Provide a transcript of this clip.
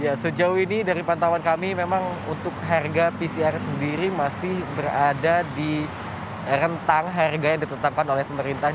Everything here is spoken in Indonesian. ya sejauh ini dari pantauan kami memang untuk harga pcr sendiri masih berada di rentang harga yang ditetapkan oleh pemerintah